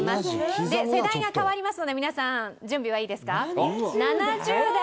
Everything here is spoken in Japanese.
で世代が変わりますので皆さん準備はいいですか？